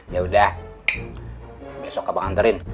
yaudah besok abang anterin